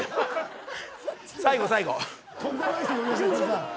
最後、最後。